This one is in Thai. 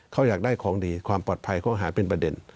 เขาอยากได้ของดีความปลอดภัยเขาหาเป็นประเด็น